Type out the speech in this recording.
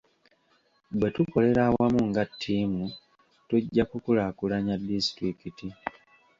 Bwe tukolera awamu nga ttiimu tujja kukulaakulanya disitulikiti.